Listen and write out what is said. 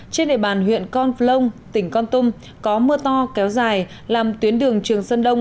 trên địa bàn huyện con plong tỉnh con tum có mưa to kéo dài làm tuyến đường trường sơn đông